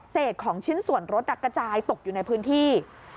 ของชิ้นส่วนรถกระจายตกอยู่ในพื้นที่